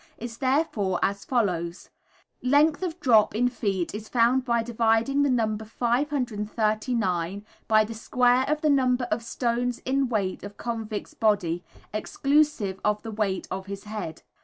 is, therefore, as follows: Length of drop, in feet, is found by dividing the number 539 by the square of the number of stones in weight of convict's body, exclusive of the weight of his head.